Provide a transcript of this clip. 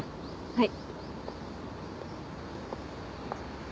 はい。